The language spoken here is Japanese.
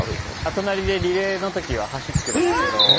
隣でリレーのときは走ってましたけど。